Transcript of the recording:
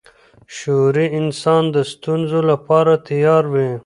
شعوري انسان د ستونزو لپاره تیار وي.